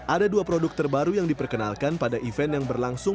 ada dua produk terbaru yang diperkenalkan pada event yang berlangsung